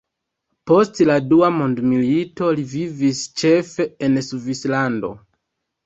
Post la Dua mondmilito li vivis ĉefe en Svislando.